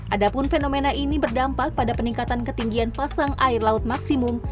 adapun fenomena ini berdampak pada peningkatan ketinggian pasang air laut maksimum